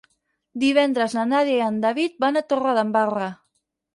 Divendres na Nàdia i en David van a Torredembarra.